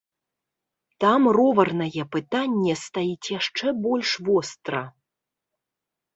Там роварнае пытанне стаіць яшчэ больш востра.